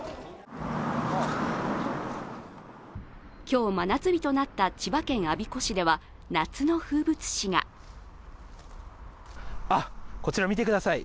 今日、真夏日となった千葉県我孫子市では夏の風物詩があっ、こちら見てください。